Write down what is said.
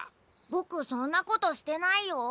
ボクそんなことしてないよ。